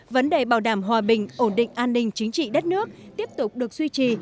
vấn đề bảo đảm hòa bình ổn định an ninh chính trị đất nước tiếp tục được duy trì